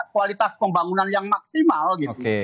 kualitas pembangunan yang maksimal gitu